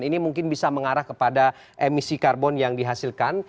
ini mungkin bisa mengarah kepada emisi karbon yang dihasilkan